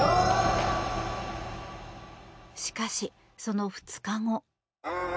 しかし、その２日後。